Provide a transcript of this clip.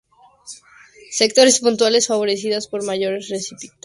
Sectores puntuales favorecidos por mayores precipitaciones están cubiertos por pastizales.